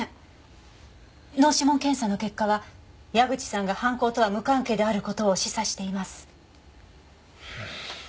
脳指紋検査の結果は矢口さんが犯行とは無関係である事を示唆しています。